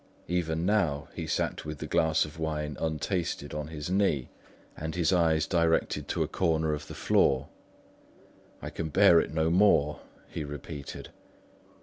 Even now, he sat with the glass of wine untasted on his knee, and his eyes directed to a corner of the floor. "I can bear it no more," he repeated.